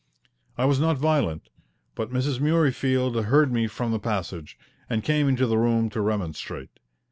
I was not violent, but Mrs. Murreyfield heard me from the passage, and came into the room to remonstrate.